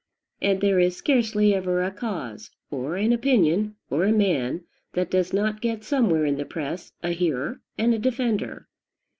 And there is scarcely ever a cause, or an opinion, or a man, that does not get somewhere in the press a hearer and a defender.